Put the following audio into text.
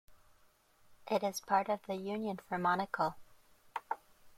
It is part of the Union for Monaco.